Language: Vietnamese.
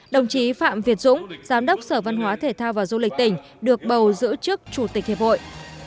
đồng chí phạm việt dũng giám đốc sở văn hóa thể thao và du lịch tỉnh được bầu giữ chức chủ tịch hiệp hội